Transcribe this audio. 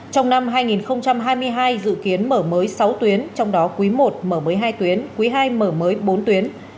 trong năm hai nghìn hai mươi hai dự kiến mở mới sáu tuyến trong đó quý i mở mới hai tuyến quý ii mở mới bốn tuyến